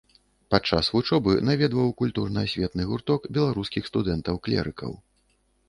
Падчас вучобы наведваў культурна-асветны гурток беларускіх студэнтаў-клерыкаў.